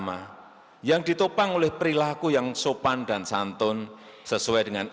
arus area neraka dikira halusin